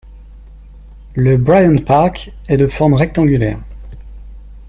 Le Bryant Park est de forme rectangulaire.